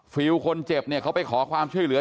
ฟิลคนเจ็บเนี่ยเขาไปขอความช่วยเหลือ